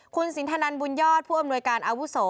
คุณสินทนันบุญยอดผู้อำนวยการอาวุโส